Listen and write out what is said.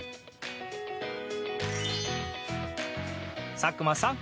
佐久間さん